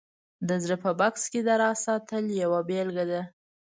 د زړه په بکس کې د راز ساتل یوه بېلګه ده